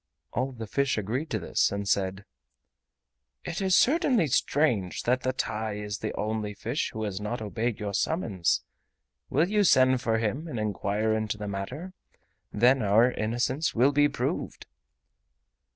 All the fish agreed to this, and said: "It is certainly strange that the TAI is the only fish who has not obeyed your summons. Will you send for him and inquire into the matter. Then our innocence will be proved."